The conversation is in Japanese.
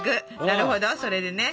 なるほどそれでね。